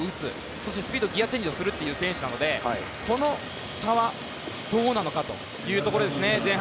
そしてスピードギアチェンジをする選手なのでこの差は、どうなのかというところですね。